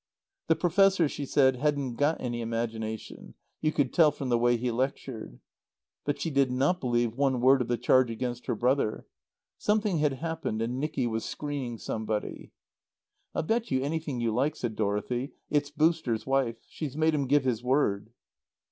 The Professor, she said, hadn't got any imagination; you could tell from the way he lectured. But she did not believe one word of the charge against her brother. Something had happened and Nicky was screening somebody. "I'll bet you anything you like," said Dorothy, "it's 'Booster's' wife. She's made him give his word."